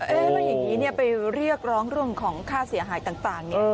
เอ๊ะว่าอย่างนี้ไปเรียกร้องร่วมของค่าเสียหายต่าง